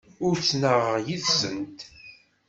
Ur ttnaɣeɣ yid-sent.